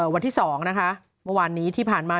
วันที่๒นะคะเมื่อวานนี้ที่ผ่านมา